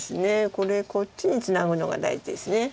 これこっちにツナぐのが大事です。